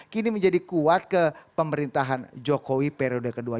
kini menjadi kuat ke pemerintahan jokowi periode kedua